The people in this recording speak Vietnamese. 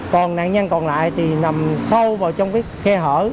còn nạn nhân còn lại thì nằm sâu vào trong cái khe hở